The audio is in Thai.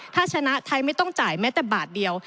ถ้าชนะไทยไม่ต้องจ่ายแม้แต่บาทเดียว